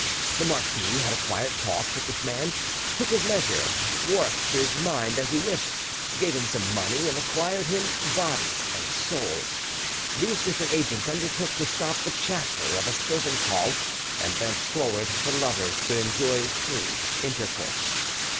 The marquis had a quiet talk with this man, took his measure, warped his mind as he wished, gave him some money, and acquired him body and soul. These different agents undertook to stop the chatter of the servants' hall, and thenceforward the lovers could enjoy free intercourse.